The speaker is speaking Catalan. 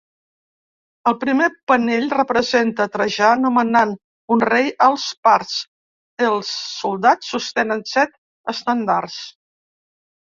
El primer panell representa Trajà nomenant un rei als parts: els soldats sostenen set estendards.